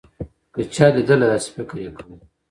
که چا لېدله داسې فکر يې کوو.